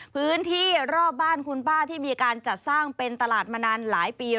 พื้นที่รอบบ้านคุณป้าที่มีการจัดสร้างเป็นตลาดมานานหลายปี